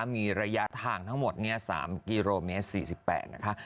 มีระยะทางทั้งหมด๓กิโลเมตร๔๘นะคะ